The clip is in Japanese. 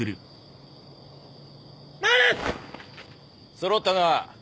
揃ったな。